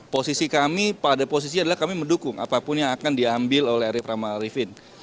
posisi kami pada posisi adalah kami mendukung apapun yang akan diambil oleh arief rahman arifin